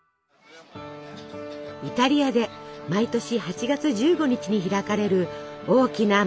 イタリアで毎年８月１５日に開かれる大きな祭り